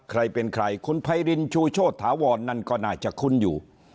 ใครเป็นใครคุณไพรินชูโชธาวรนั่นก็น่าจะคุ้นอยู่